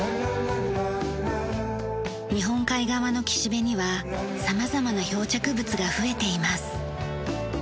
日本海側の岸辺には様々な漂着物が増えています。